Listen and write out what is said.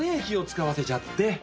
気を使わせちゃって。